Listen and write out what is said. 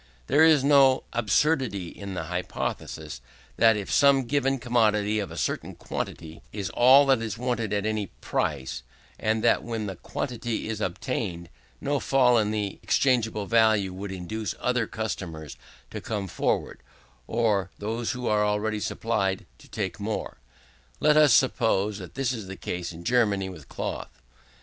There is no absurdity in the hypothesis, that of some given commodity a certain quantity is all that is wanted at any price, and that when that quantity is obtained, no fall in the exchangeable value would induce other consumers to come forward, or those who are already supplied to take more. Let us suppose that this is the case in Germany with cloth.